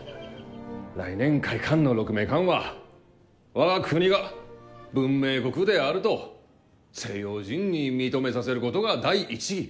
来年開館の鹿鳴館は我が国が文明国であると西洋人に認めさせることが第一義。